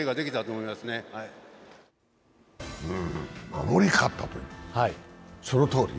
守り勝った、そのとおり？